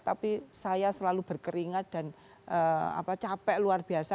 tapi saya selalu berkeringat dan capek luar biasa